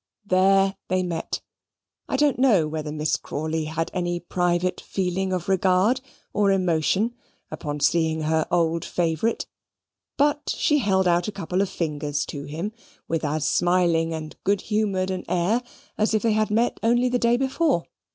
There they met. I don't know whether Miss Crawley had any private feeling of regard or emotion upon seeing her old favourite; but she held out a couple of fingers to him with as smiling and good humoured an air, as if they had met only the day before.